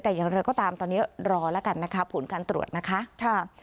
แต่อย่างไรก็ตามตอนนี้รอแล้วกันนะคะผลการตรวจนะคะ